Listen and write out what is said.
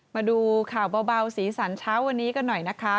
มาดูข่าวเบาสีสันเช้าวันนี้กันหน่อยนะคะ